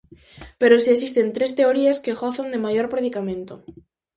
Pero si existen tres teorías que gozan de maior predicamento.